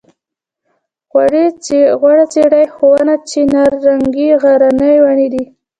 غوړه څېرۍ ښوون چناررنګی غرني ونې دي.